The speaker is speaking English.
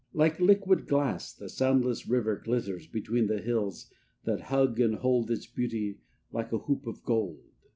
Like liquid glass The soundless river glitters Between the hills that hug and hold Its beauty like a hoop of gold.